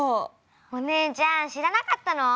お姉ちゃん知らなかったの？